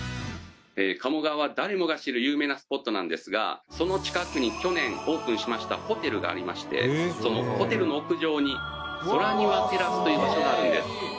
「鴨川は誰もが知る有名なスポットなんですがその近くに去年オープンしましたホテルがありましてそのホテルの屋上に空庭テラスという場所があるんです」